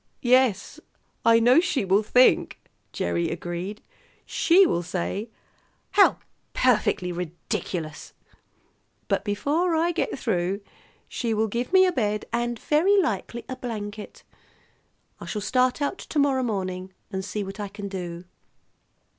"Yes, I know she will think," Gerry agreed. "She will say, 'How perfectly ridiculous!' But before I get through she will give me a bed and very likely a blanket. I shall start out to morrow morning and see what I can do."